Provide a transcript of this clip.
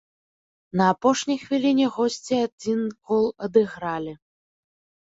На апошняй хвіліне госці адзін гол адыгралі.